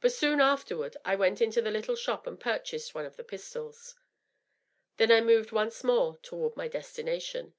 But soon afterward I went into the little shop and purchased one of the pistols. Then I moved once more toward my destination.